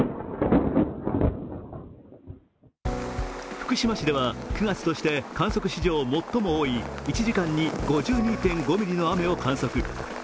福島市では９月として観測史上最も多い１時間に５２．５ミリの雨を観測。